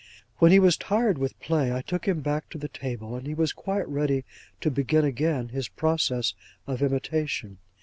'When he was tired with play I took him back to the table, and he was quite ready to begin again his process of imitation.